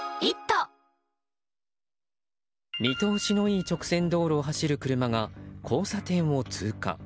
見通しのいい直線道路を走る車が交差点を通過。